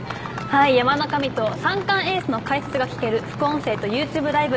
山の神と三冠エースの解説が聞ける副音声とＹｏｕＴｕｂｅライブ